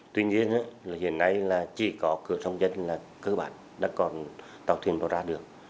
tuy nhiên hiện nay chỉ có cửa sông dân là cơ bản đã còn tàu thuyền nó ra được